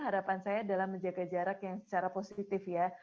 harapan saya adalah menjaga jarak yang secara positif ya